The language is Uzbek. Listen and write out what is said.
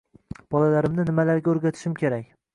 Bolalarimni nimalarga o‘rgatishim kerak